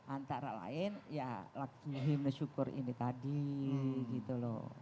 antara lain ya lagu himne syukur ini tadi gitu